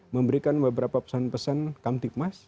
memberikan beberapa pesan pesan kamtik mas